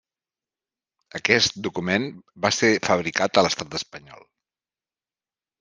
Aquest document va ser fabricat a l'estat Espanyol.